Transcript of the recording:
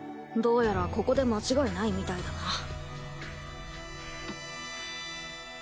どうやらここで間違いないみたいだな。